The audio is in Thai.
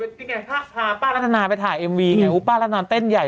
ที่ไหนถ้าพาป้ารัฐนาไปถ่ายเอ็มวีไงโอ้วปลารัฐนาเต้นใหญ่